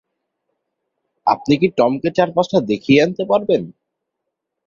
আপনি কি টমকে চারপাশটা দেখিয়ে আনতে পারবেন?